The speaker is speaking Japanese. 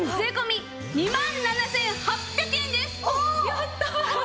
やった！